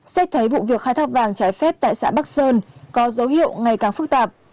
xét thấy vụ việc khai thác vàng trái phép tại xã bắc sơn có dấu hiệu ngày càng phức tạp